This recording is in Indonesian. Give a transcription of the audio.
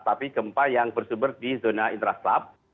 tapi gempa yang bersumber di zona intraslab